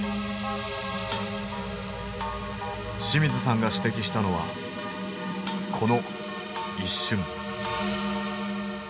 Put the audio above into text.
清水さんが指摘したのはこの一瞬。